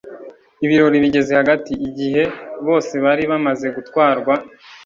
Ibirori bigeze hagati, igihe bose bari bamaze gutwarwa,